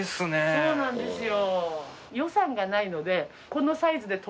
そうなんですよ。